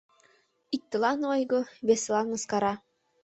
Иктылан — ойго, весылан — мыскара.